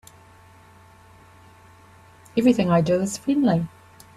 Everything I do is friendly.